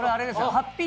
ハッピー